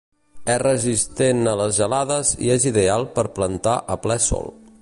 És resistent a les gelades i és ideal per plantar a ple Sol.